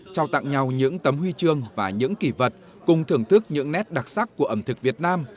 trao tặng nhau những tấm huy chương và những kỷ vật cùng thưởng thức những nét đặc sắc của ẩm thực việt nam